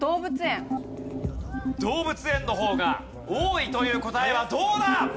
動物園の方が多いという答えはどうだ？